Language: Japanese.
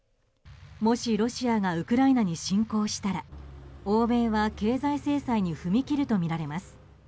もし、ロシアがウクライナに侵攻したら欧米は経済制裁に踏み切るとみられます。